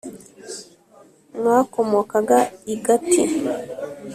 M wakomokaga i gati